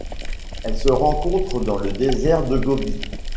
Elle se rencontre dans le désert de Gobi.